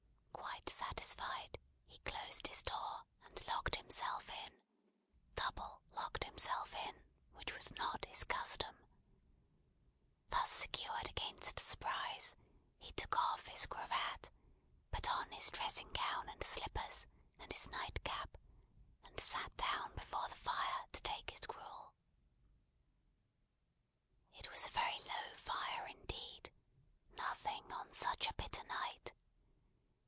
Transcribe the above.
Quite satisfied, he closed his door, and locked himself in; double locked himself in, which was not his custom. Thus secured against surprise, he took off his cravat; put on his dressing gown and slippers, and his nightcap; and sat down before the fire to take his gruel. It was a very low fire indeed; nothing on such a bitter night.